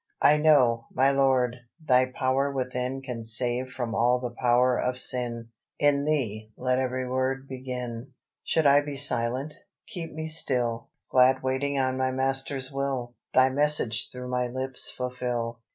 "I know, my Lord, Thy power within Can save from all the power of sin; In Thee let every word begin. "Should I be silent? Keep me still, Glad waiting on my Master's will: Thy message through my lips fulfil.